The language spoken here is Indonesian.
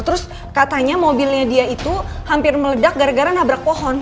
terus katanya mobilnya dia itu hampir meledak gara gara nabrak pohon